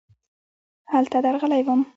هلته درغلی وم .